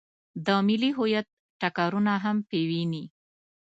د ملي هویت ټکرونه هم په ويني.